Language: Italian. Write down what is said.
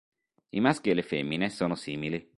I maschi e le femmine sono simili.